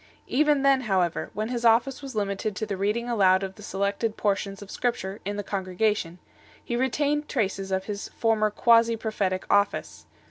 Even then, however, when his office was limited to the reading aloud of the selected portions of Scripture in the congregation, he retained traces of his former quasi prophetic office.